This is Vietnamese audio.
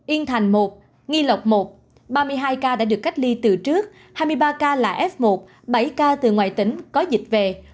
yên thành một nghi lộc một ba mươi hai ca đã được cách ly từ trước hai mươi ba ca là f một bảy ca từ ngoài tỉnh có dịch về